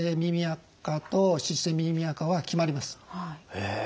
へえ。